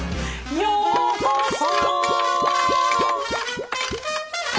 「ようこそ」